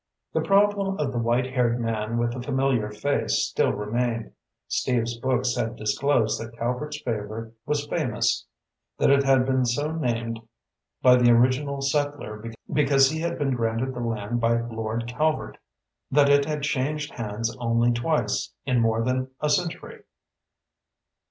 The problem of the white haired man with the familiar face still remained. Steve's books had disclosed that Calvert's Favor was famous, that it had been so named by the original settler because he had been granted the land by Lord Calvert, that it had changed hands only twice in more than a century.